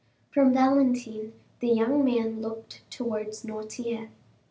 From Valentine the young man looked towards Noirtier.